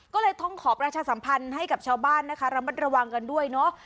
ก็เลยต้องขอประชาสัมพันธ์ให้กับชาวบ้านนะคะระมัดระวังกันด้วยเนาะ